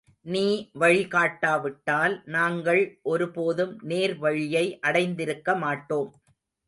நீ வழி காட்டாவிட்டால், நாங்கள் ஒரு போதும் நேர் வழியை அடைந்திருக்க மாட்டோம்.